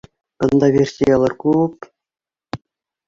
бында версиялар күп